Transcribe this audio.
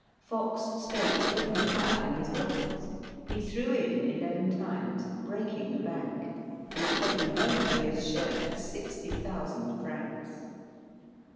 Fox staked all he had in his pockets; he threw in eleven times, breaking the bank, and taking home for his share 60,000 francs.